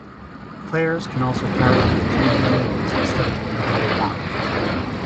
Players can also carry up to three grenades instead of the usual one.